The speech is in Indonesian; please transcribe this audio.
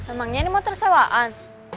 emangnya ini motor sewaan